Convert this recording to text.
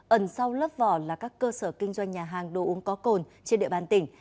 ẩn sau lớp vỏ là các cơ sở kinh doanh nhà hàng đồ uống có cồn trên địa bàn tỉnh